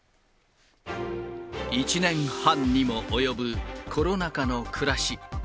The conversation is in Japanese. １年半にも及ぶコロナ禍の暮らし。